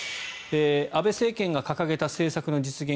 安倍政権が掲げた政策の実現